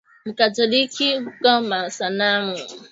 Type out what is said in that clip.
Mu katholika muko ma sanamu